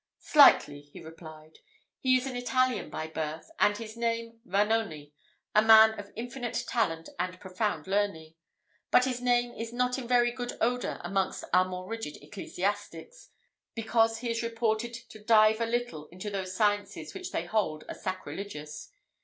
"Slightly," he replied. "He is an Italian by birth, and his name Vanoni, a man of infinite talent and profound learning; but his name is not in very good odour amongst our more rigid ecclesiastics, because he is reported to dive a little into those sciences which they hold as sacrilegious.